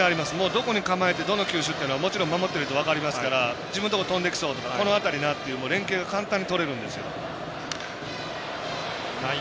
どこに構えてどの球種っていうのはもちろん、守っていると分かりますから自分のところ飛んできそうとかこの辺りだなという連係が簡単にとれるんですよ。